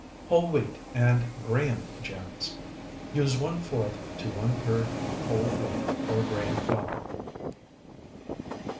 WHOLE WHEAT AND GRAHAM GEMS Use one fourth to one third whole wheat or graham flour.